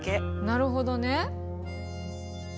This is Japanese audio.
なるほどね。